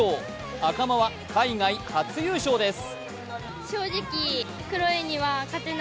赤間は海外初優勝です。